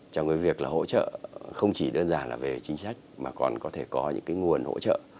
trong cái việc là hỗ trợ không chỉ đơn giản là về chính sách mà còn có thể có những cái nguồn hỗ trợ